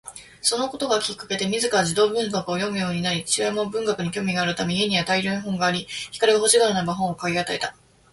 そのことがきっかけで自ら児童文学を読むようになり、父親も文学に興味があるため家には大量に本があり、光が欲しがるならば本を買い与えた